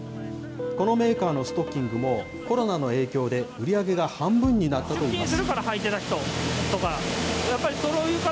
このメーカーのストッキングもコロナの影響で売り上げが半分になったといいます。